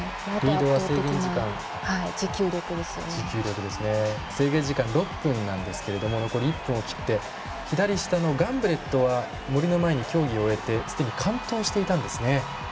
リードは制限時間６分なんですが残り１分を切ってガンブレットは森の前に競技を終えて完登していたんですね。